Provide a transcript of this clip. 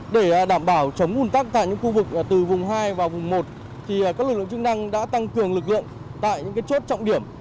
để đảm bảo chống ủn tắc tại những khu vực từ vùng hai và vùng một các lực lượng chức năng đã tăng cường lực lượng tại những chốt trọng điểm